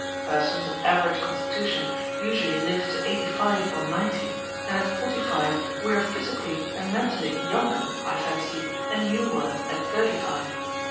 Persons of average constitution usually live to eighty five or ninety, and at forty five we are physically and mentally younger, I fancy, than you were at thirty five.